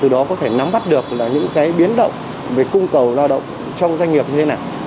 để nắm bắt được những cái biến động về cung cầu lao động trong doanh nghiệp như thế này